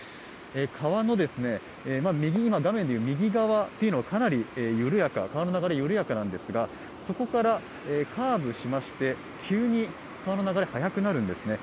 川の右側はかなり、川の流れが緩やかなんですが、そこからカーブしまして、急に川の流れが速くなるんですね。